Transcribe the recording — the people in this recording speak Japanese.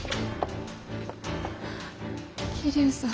桐生さん。